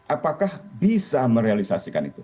apakah bisa merealisasikan itu